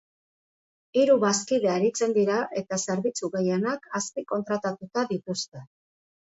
Hiru bazkide aritzen dira eta zerbitzu gehienak azpikontratatuta dituzte.